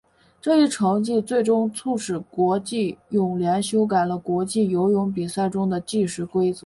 这一成绩最终促使国际泳联修改了国际游泳比赛中的计时规则。